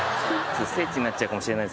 聖地になっちゃうかもしれない